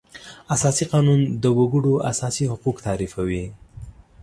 اساسي قانون د وکړو اساسي حقوق تعریفوي.